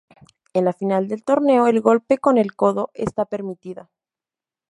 En la final del torneo el golpe con el codo está permitido.